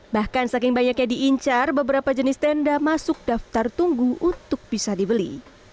bahkan saking banyaknya diincar beberapa jenis tenda masuk daftar tunggu untuk bisa dibeli